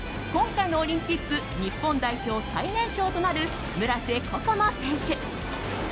今回のオリンピック日本代表最年少となる村瀬心椛選手。